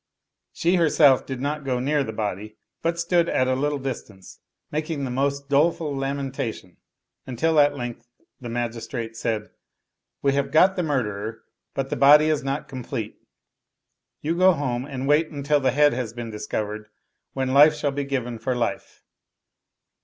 She herself did not go near the body, but stood at a little distance making the most doleful lamentation ; until at length the magistrate said, " We have got the murderer, but the body is not complete ; you go home and wait until the head has been discovered, when life shall be given for life."